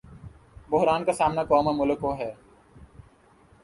بحران کا سامنا قوم اورملک کو ہے۔